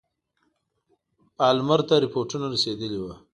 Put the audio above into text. پالمر ته رپوټونه رسېدلي وه.